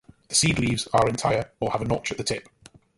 The seed leaves are entire or have a notch at the tip.